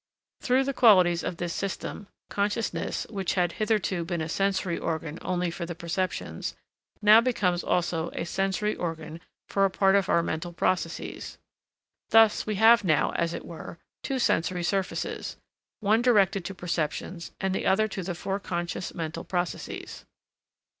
Through the qualities of this system, consciousness, which had hitherto been a sensory organ only for the perceptions, now becomes also a sensory organ for a part of our mental processes. Thus we have now, as it were, two sensory surfaces, one directed to perceptions and the other to the foreconscious mental processes.